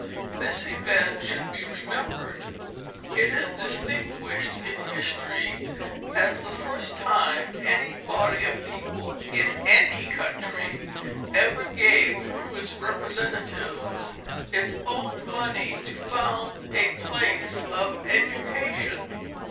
This event should be remembered; it is distinguished in history as the first time any body of people in any country ever gave through its representatives its own money to found a place of education.